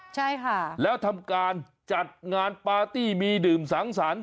ใช่ค่ะแล้วทำการจัดงานปาร์ตี้มีดื่มสังสรรค์